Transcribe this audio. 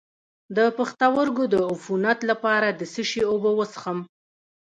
د پښتورګو د عفونت لپاره د څه شي اوبه وڅښم؟